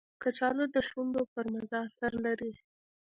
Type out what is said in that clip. کچالو د شونډو پر مزه اثر لري